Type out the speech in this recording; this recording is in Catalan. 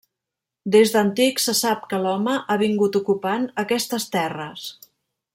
Des d'antic se sap que l'home ha vingut ocupant aquestes terres.